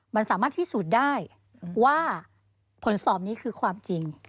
มันสามารถพิสูจน์ได้ว่าผลสอบนี้คือความจริง